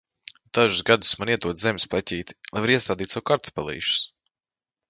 Dažus gadus man iedod zemes pleķīti, lai varu iestādīt sev kartupelīšus.